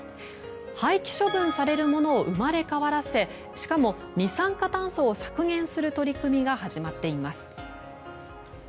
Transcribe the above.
廃棄処分されるものを生まれ変わらせしかも二酸化炭素を削減する取り組みが始まっています。